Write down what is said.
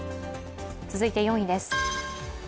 続いて４位です。